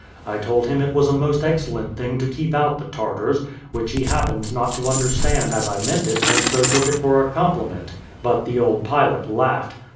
I told him it was a most excellent thing to keep out the Tartars; which he happened not to understand as I meant it and so took it for a compliment; but the old pilot laughed!